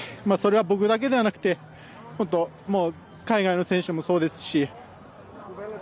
それは僕だけじゃなくて海外の選手もそうですし。